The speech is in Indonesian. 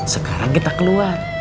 sekarang kita keluar